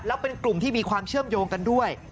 แล้วเป็นกลุ่มที่มีความเชื่อมโยงกันด้วย